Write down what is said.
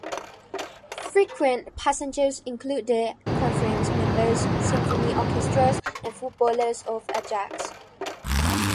Frequent passengers included conference members, symphony orchestras and footballers of Ajax.